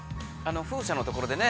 ◆風車のところでね